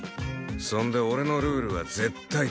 そんで俺のルールは絶対だ。